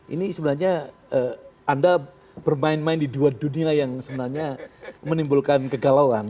ini sebenarnya anda bermain main di dua dunia yang sebenarnya menimbulkan kegalauan